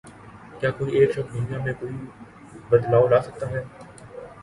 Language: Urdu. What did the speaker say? کیا کوئی ایک شخص دنیا میں کوئی بدلاؤ لا سکتا ہے